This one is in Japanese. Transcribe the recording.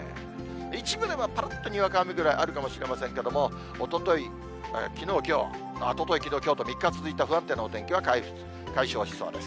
一部ではぱらっとにわか雨ぐらいあるかもしれませんけれども、おととい、きのう、きょう、おととい、きのう、きょうと３日続いたお天気は解消しそうです。